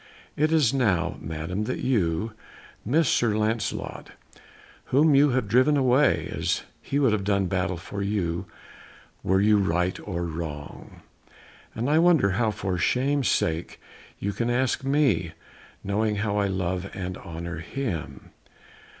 It is now, Madam, that you miss Sir Lancelot, whom you have driven away, as he would have done battle for you were you right or wrong, and I wonder how for shame's sake you can ask me, knowing how I love and honour him."